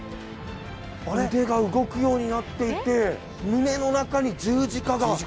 腕が動くようになっていて胸の中に十字架が。